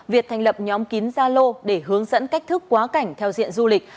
việc thành lập nhóm kín gia lô để hướng dẫn cách thức quá cảnh theo diện du lịch